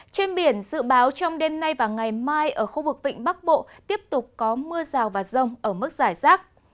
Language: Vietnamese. trên biển dự báo trong đêm nay và ngày mai ở khu vực vịnh bắc bộ tiếp tục có mưa rào và rông ở mức giải rác